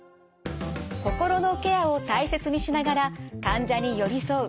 心のケアを大切にしながら患者に寄り添う